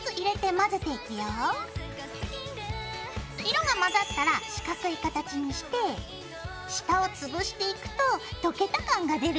色が混ざったら四角い形にして下をつぶしていくと溶けた感が出るよ。